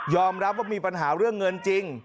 รับว่ามีปัญหาเรื่องเงินจริง